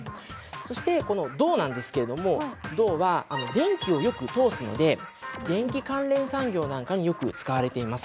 そしてこの銅なんですけども銅は電気をよく通すので電気関連産業なんかによく使われています。